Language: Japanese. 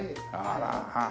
あら。